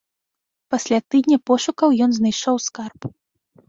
Пасля тыдня пошукаў ён знайшоў скарб.